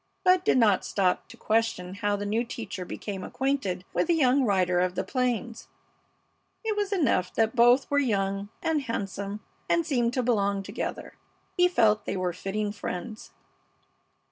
Bud did not stop to question how the new teacher became acquainted with the young rider of the plains. It was enough that both were young and handsome and seemed to belong together. He felt they were fitting friends.